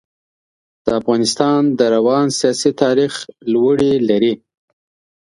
د افغانستان د روان سیاسي تاریخ لوړې لري.